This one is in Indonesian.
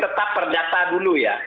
tetap perdata dulu ya